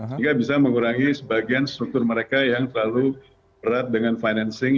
sehingga bisa mengurangi sebagian struktur mereka yang terlalu berat dengan financing